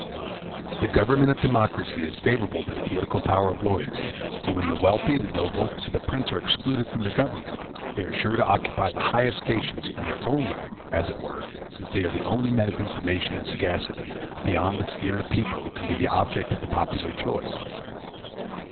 The government of democracy is favorable to the political power of lawyers; for when the wealthy, the noble, and the prince are excluded from the government, they are sure to occupy the highest stations, in their own right, as it were, since they are the only men of information and sagacity, beyond the sphere of the people, who can be the object of the popular choice.